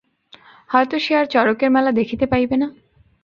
হয়তো সে আর চড়কের মেলা দেখিতে পাইবে না!